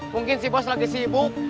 mungkin si bos lagi sibuk